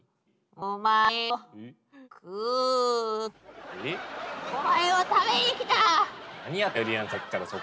お前を食べに来た！